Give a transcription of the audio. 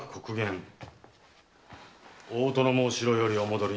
大殿もお城よりお戻りになる。